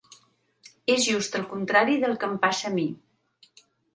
És just el contrari del que em passa a mi.